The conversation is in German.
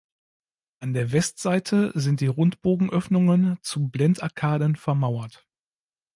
An der Westseite sind die Rundbogenöffnungen zu Blendarkaden vermauert.